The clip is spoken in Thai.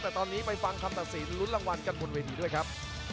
แต่ตอนนี้ไปฟังคำตัดสินลุ้นรางวัลกันบนเวทีด้วยครับ